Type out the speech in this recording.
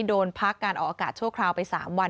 โดนพักการออกอากาศชั่วคราวไป๓วัน